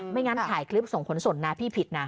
ไม่งั้นถ่ายคลิปส่งผลส่วนนะพี่ผิดนะ